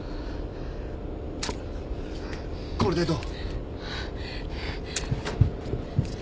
これでどう？